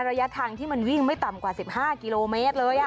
ระยะทางที่มันวิ่งไม่ต่ำกว่า๑๕กิโลเมตรเลย